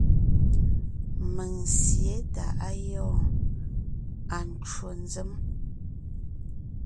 Mèŋ sǐe tà á gyɔ́ɔn; À ncwò nzèm.